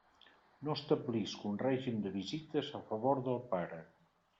No establisc un règim de visites a favor del pare.